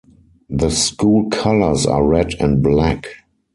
The school colors are red and black.